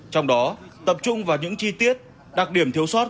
trong đó tập trung vào những chi tiết đặc điểm thiếu sót